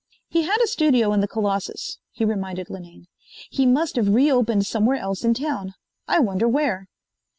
"He had a studio in the Colossus," he reminded Linane. "He must have re opened somewhere else in town. I wonder where."